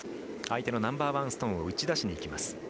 相手のナンバーワンストーンを打ち出しにいきます。